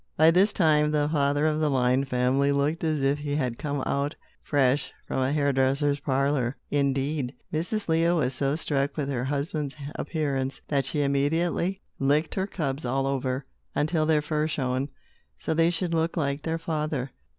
By this time, the father of the lion family looked as if he had come out fresh from a hairdresser's parlor. Indeed, Mrs. Leo was so struck with her husband's appearance, that she immediately licked her cubs all over, until their fur shone, so they should look like their father.